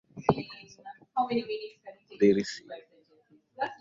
They revived forgotten American classic films and contemporary foreign films.